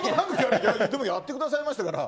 でもやってくださいましたから。